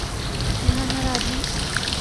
یہاں ہر آدمی